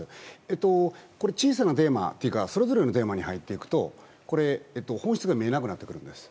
小さなテーマというかそれぞれのテーマに入っていくと本質が見えなくなってくるんです。